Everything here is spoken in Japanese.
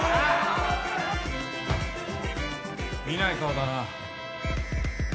・見ない顔だな。